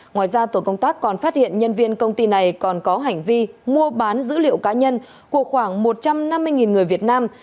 ngoài ra tổ công tác còn phát hiện nhân viên công ty này còn có hành vi mua bán dữ liệu cá nhân của khoảng một trăm năm mươi người việt nam